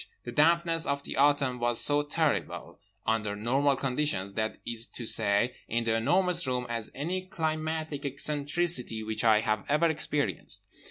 The dampness of the Autumn was as terrible, under normal conditions—that is to say in The Enormous Room—as any climatic eccentricity which I have ever experienced.